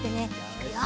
いくよ！